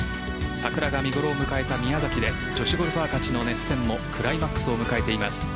桜が見頃を迎えた宮崎で女子ゴルファーたちの熱戦もクライマックスを迎えています。